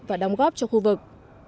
và đóng góp cho khu vực